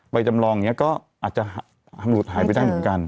บัยจำลองนี้ก็อาจจะหายไปได้เหมือนกัน